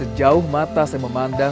sejauh mata saya memandang